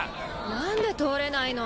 なんで通れないの？